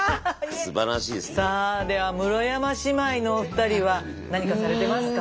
さあでは室山姉妹のお二人は何かされてますか？